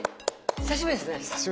久しぶりです。